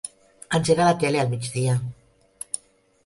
Engega la tele al migdia.